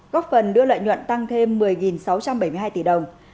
góp phần đưa lợi nhuận tăng thêm một mươi sáu trăm bảy mươi hai tỷ đồng